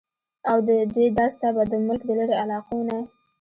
اود دوي درس ته به د ملک د لرې علاقو نه